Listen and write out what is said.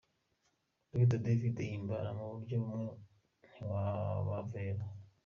Dr David Himbara: Mu buryo bumwe ntiwabaveba.